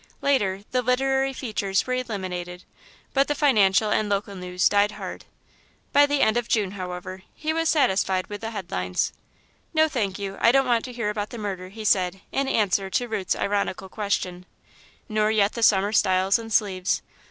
Later, the literary features were eliminated, but the financial and local news died hard. By the end of June, however, he was satisfied with the headlines. "No, thank you, I don't want to hear about the murder," he said, in answer to Ruth's ironical question, "nor yet the Summer styles in sleeves.